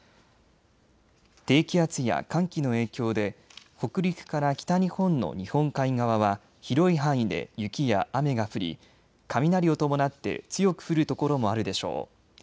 低気圧や寒気の影響で北陸から北日本の日本海側は広い範囲で雪や雨が降り、雷を伴って強く降る所もあるでしょう。